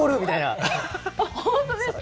本当ですか？